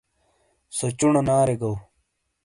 سو چُونو نارے گو۔